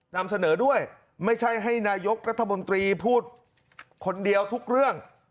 นำเสนอด้วยไม่ใช่ให้นายกรัฐมนตรีพูดคนเดียวทุกเรื่อง